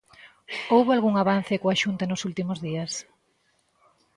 Houbo algún avance coa Xunta nos últimos días?